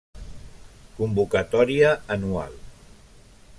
Convocatòria anual.